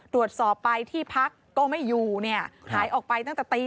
ตรวจสอบไปที่พักก็ไม่อยู่เนี่ยหายออกไปตั้งแต่ตี